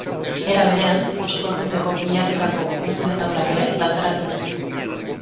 Era berean, postu bakoitzeko pilatutako puntuen taulak ere plazaratu ditu.